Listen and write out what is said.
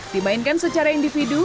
dimainkan secara individu